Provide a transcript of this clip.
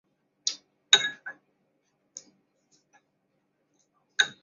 顶尖四分卫的到来让猎鹰队再次强势回归。